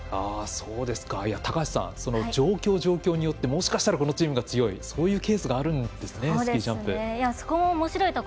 高橋さん、状況状況によってもしかしたら、このチームが強いそういうケースがあるんですね。